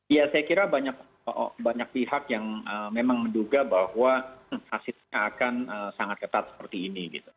ya saya kira banyak pihak yang memang menduga bahwa hasilnya akan sangat ketat seperti ini